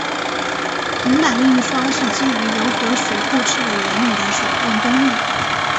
平版印刷是基于油和水互斥的原理的手动工艺。